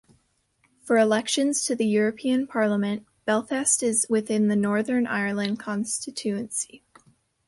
For elections to the European Parliament, Belfast is within the Northern Ireland constituency.